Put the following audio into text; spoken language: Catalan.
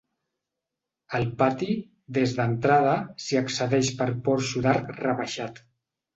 Al pati, des d'entrada, s'hi accedeix per porxo d'arc rebaixat.